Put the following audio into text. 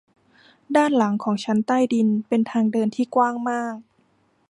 ด้านหลังของชั้นใต้ดินเป็นทางเดินที่กว้างมาก